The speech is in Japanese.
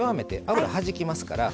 油はじきますから。